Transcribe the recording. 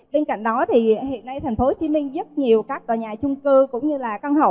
bên cạnh đó thì hiện nay tp hcm rất nhiều các tòa nhà chung cư cũng như là căn hộ